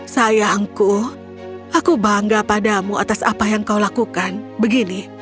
sayangku aku bangga padamu atas apa yang kau lakukan begini